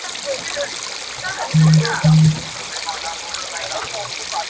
o نېکي نه ورکېږي.